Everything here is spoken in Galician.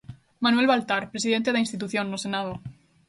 Manuel Baltar, presidente da institución, no Senado.